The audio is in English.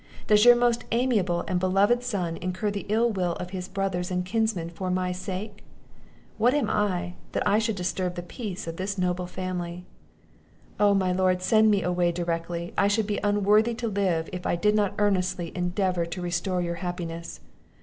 does your most amiable and beloved son incur the ill will of his brothers and kinsmen for my sake? What am I, that I should disturb the peace of this noble family? Oh, my lord, send me away directly! I should be unworthy to live, if I did not earnestly endeavour to restore your happiness.